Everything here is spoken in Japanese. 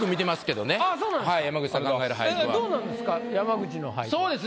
どうなんですか？